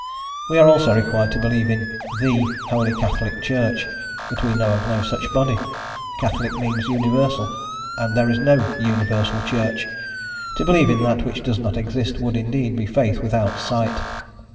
We are also required to believe in "the" Holy Catholic Church, but we know of no such body. Catholic means universal, and there is no universal Church: to believe in that which does not exist would, indeed, be faith without sight.